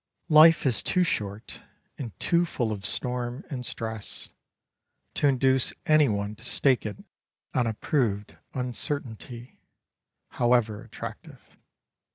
Life is too short, and too full of storm and stress, to induce any one to stake it on a proved uncertainty, however attractive.